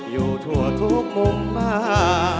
อยู่ทั่วทุกมุมมา